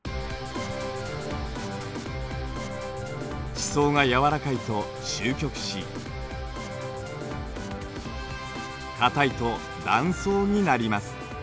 地層が柔らかいとしゅう曲し硬いと断層になります。